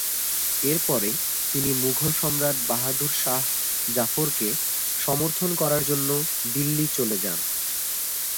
এরপরে তিনি মুঘল সম্রাট বাহাদুর শাহ্ জাফরকে সমর্থন করার জন্য দিল্লি চলে যান।